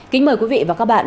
kính mời quý vị và các bạn